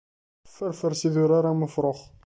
Fferfer s idurar am ufrux?